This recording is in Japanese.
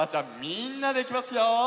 みんなでいきますよ！